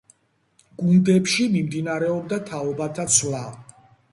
გუნდებში მიმდინარეობდა თაობათა ცვლა.